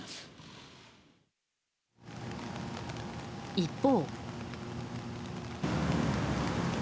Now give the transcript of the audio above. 一方。